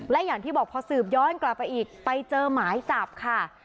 และอย่างที่บอกพอสืบย้อนกลับไปอีกไปเจอหมายจับค่ะ